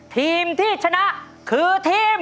ทีมที่ชนะคือทีม